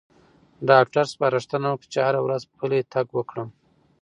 ډاکټر سپارښتنه وکړه چې هره ورځ پلی تګ وکړم.